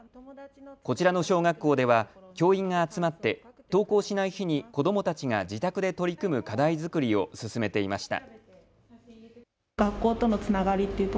こちらの小学校では、教員が集まって登校しない日に子どもたちが自宅で取り組む課題作りを進めていました。